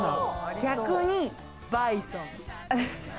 逆にバイソン。